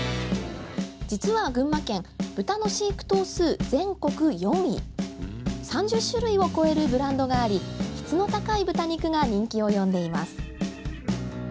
実は群馬県３０種類を超えるブランドがあり質の高い豚肉が人気を呼んでいます。